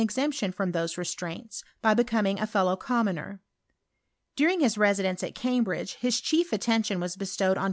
cxemption rfrom those restraints, by becoming a. fidiow commoner. During his residence at Csma bridge his chief attention was bestowed on.